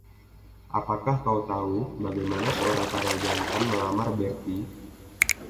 Apakah kau tahu bagaimana seorang kadal jantan melamar, Bertie?